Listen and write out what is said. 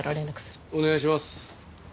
お願いします。